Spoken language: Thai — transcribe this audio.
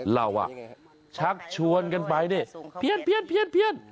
เราชักชวนกันไปเนี่ยเพียน